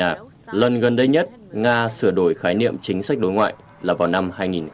nga lần gần đây nhất nga sửa đổi khái niệm chính sách đối ngoại là vào năm hai nghìn một mươi